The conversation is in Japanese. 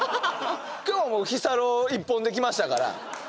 今日はもう「日サロ」一本で来ましたから。